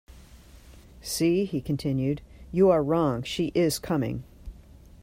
"See," he continued, "you are wrong: she is coming."